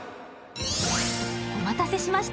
お待たせしました。